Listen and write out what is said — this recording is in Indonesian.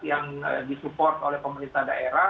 yang disupport oleh pemerintah daerah